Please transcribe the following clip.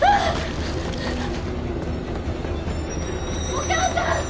お母さん！